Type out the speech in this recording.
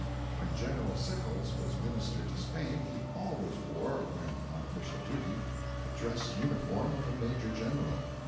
When General Sickles was minister to Spain, he always wore, when on official duty, the dress uniform of a major general.